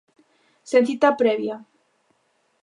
Sen cita previa.